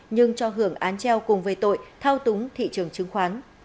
nhưng cho hưởng án treo cùng về tội thao túng thị trường chứng khoán